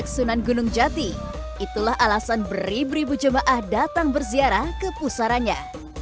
sunan gunung jati itulah alasan beribribu jemaah datang berziarah ke pusaranya